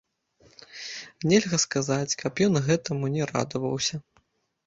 Нельга сказаць, каб ён гэтаму не радаваўся.